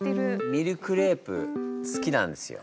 ミルクレープ好きなんですよ。